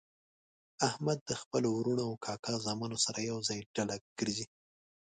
احمد د خپلو ورڼو او کاکا زامنو سره ېوځای ډله ګرځي.